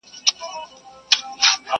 چي دي هر گړی زړه وسي په هوا سې،